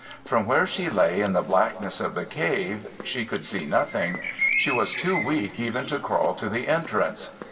From where she lay in the blackness of the cave she could see nothing; she was too weak even to crawl to the entrance.